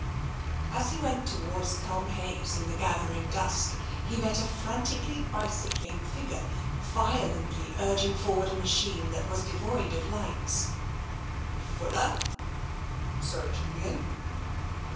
As he went towards Culmhayes in the gathering dusk, he met a frantically bicycling figure violently urging forward a machine that was devoid of lights. "Fuller!" "Sir Julian?"